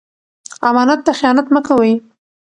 امانت ته خیانت مه کوئ.